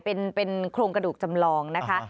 เป็นโครงกระดูกจำลองนะคะ